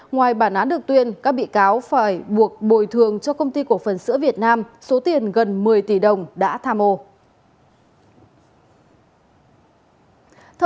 ngoài bản án được tuyên các bị cáo phải buộc bồi thường cho công ty cổ phần sữa việt nam số tiền gần một mươi tỷ đồng đã tham ô